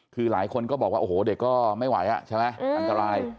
คือหลายคนก็บอกว่าโอ้โหเด็กก็ไม่ไหวใช่ไหมอันตราย